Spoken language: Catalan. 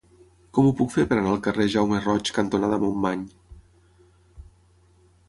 Com ho puc fer per anar al carrer Jaume Roig cantonada Montmany?